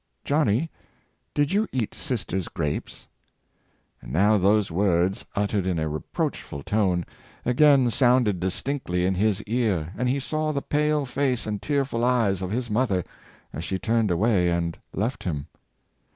"Johnny, did you eat sister's grapes? " And now those words, uttered in a reproachful tone, again sounded distinctly in his ear, and he saw the pale face and tearful eyes of his mother as she turned away and left him.